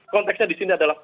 konteksnya di sini adalah